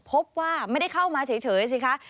พบว่าไม่ได้เข้ามาเฉยสิคะ